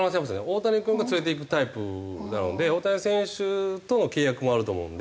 大谷君が連れていくタイプなので大谷選手との契約もあると思うので。